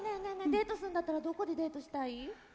デートするんだったらどこでデートしたい？